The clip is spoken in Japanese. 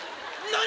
何？